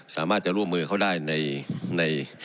สามารถจะร่วมมือเขาได้ใน